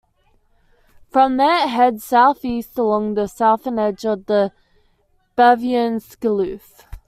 From there it heads south-east along the southern edge of the Baviaanskloof.